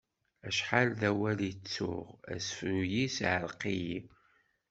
Acḥal d awal i ttuɣ... asefru-s iɛreq-iyi.